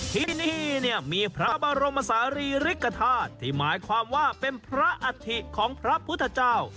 ที่นี่เนี่ยมีพระบรมศาลีริกฐาตุที่หมายความว่าเป็นพระอัฐิของพระพุทธเจ้า